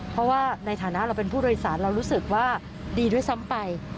เพราะว่าในฐานะเราเป็นผู้โดยสารเรารู้สึกว่าดีด้วยซ้ำไป